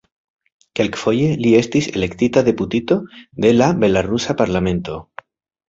Kelkfoje li estis elektita deputito de belarusa parlamento.